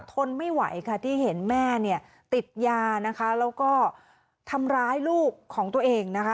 ทนไม่ไหวค่ะที่เห็นแม่เนี่ยติดยานะคะแล้วก็ทำร้ายลูกของตัวเองนะคะ